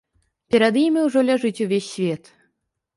Перад імі ўжо ляжыць увесь свет.